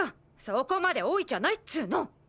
そこまで老いちゃないっつうの！